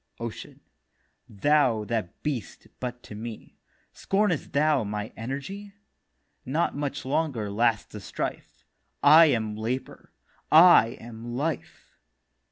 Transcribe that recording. OCEAN: 'Thou that beëst but to be, Scornest thou my energy? Not much longer lasts the strife. I am Labour, I am Life.